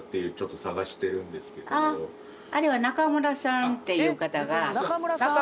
あれは中村さんっていう方が。